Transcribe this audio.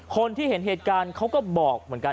คนที่เห็นเหตุการณ์เขาก็บอกเหมือนกัน